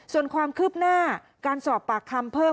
ส่วนความคืบหน้าการสอบปากคำเพิ่ม